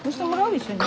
一緒に。